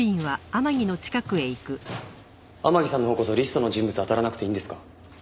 天樹さんのほうこそリストの人物あたらなくていいんですか？